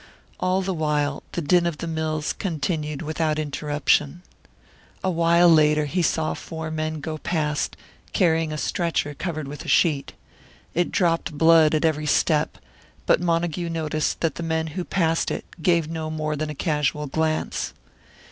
All the while the din of the mills continued without interruption. A while later he saw four men go past, carrying a stretcher covered with a sheet. It dropped blood at every step, but Montague noticed that the men who passed it gave it no more than a casual glance.